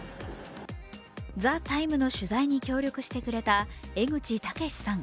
「ＴＨＥＴＩＭＥ，」の取材に協力してくれた江口武さん。